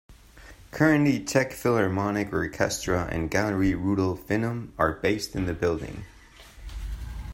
Currently Czech Philharmonic Orchestra and Galerie Rudolfinum are based in the building.